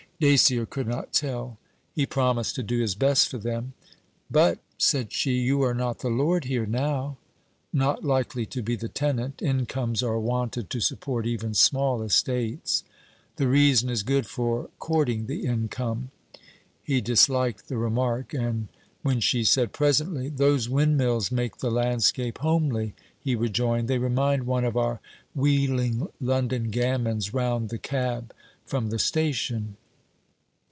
Dacier could not tell. He promised to do his best for them. 'But,' said she, 'you are the lord here now.' 'Not likely to be the tenant. Incomes are wanted to support even small estates.' 'The reason is good for courting the income.' He disliked the remark; and when she said presently: 'Those windmills make the landscape homely,' he rejoined: 'They remind one of our wheeling London gamins round the cab from the station.'